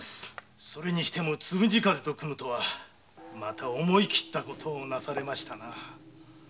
それにしても「つむじ風」と組むとは思い切ったことをなされましたな。